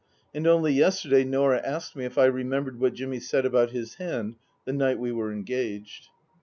And only yesterday Norah asked me if I remembered what , Jimmy said about his hand the night we were engaged.